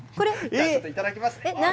いただきます。